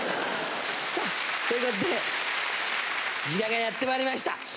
さぁということで時間がやってまいりました。